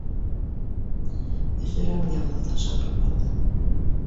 Өсөһө лә был яңылыҡтан шаңҡып ҡалды